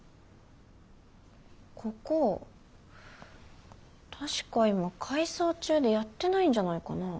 ここ確か今改装中でやってないんじゃないかなあ。